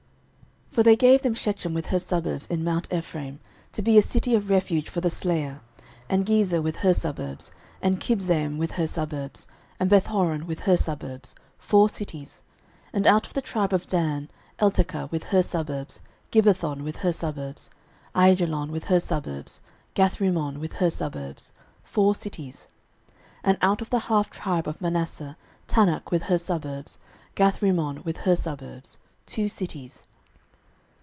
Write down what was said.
06:021:021 For they gave them Shechem with her suburbs in mount Ephraim, to be a city of refuge for the slayer; and Gezer with her suburbs, 06:021:022 And Kibzaim with her suburbs, and Bethhoron with her suburbs; four cities. 06:021:023 And out of the tribe of Dan, Eltekeh with her suburbs, Gibbethon with her suburbs, 06:021:024 Aijalon with her suburbs, Gathrimmon with her suburbs; four cities. 06:021:025 And out of the half tribe of Manasseh, Tanach with her suburbs, and Gathrimmon with her suburbs; two cities.